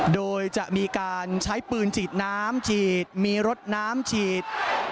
โดยจะมีการใช้ปืนฉีดน้ำฉีดมีรถน้ำฉีด